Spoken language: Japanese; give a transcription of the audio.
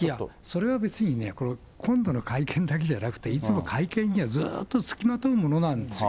それは別にね、今度の会見だけじゃなくて、いつも会見にはずーっと付きまとうものなんですよ。